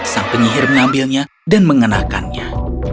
sang penyihir mengambilnya dan mengenakannya